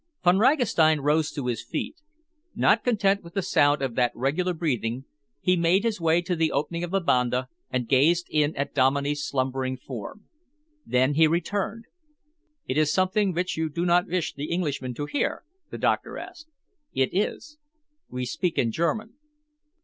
Von Ragastein rose to his feet. Not content with the sound of that regular breathing, he made his way to the opening of the banda and gazed in at Dominey's slumbering form. Then he returned. "It is something which you do not wish the Englishman to hear?" the doctor asked. "It is." "We speak in German."